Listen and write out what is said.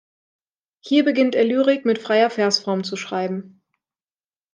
Hier beginnt er Lyrik mit freier Versform zu schreiben.